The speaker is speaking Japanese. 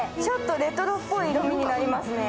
レトロっぽい色味になりますね。